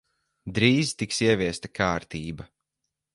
Drīz tiks ieviesta kārtība.